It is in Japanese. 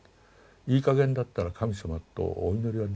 いいかげんだったら神様とお祈りはできなかったろうと。